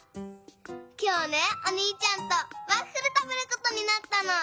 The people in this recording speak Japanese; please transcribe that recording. きょうねおにいちゃんとワッフルたべることになったの。